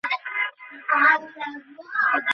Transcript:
পরে তিনি প্রকাশ করেছিলেন এটি ভাইরাল বিপণনের প্রচার।